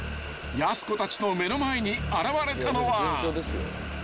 ［やす子たちの目の前に現れたのは］